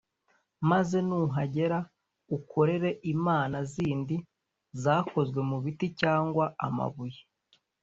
maze nuhagera ukorere imana zindi zakozwe mu biti cyangwa amabuye!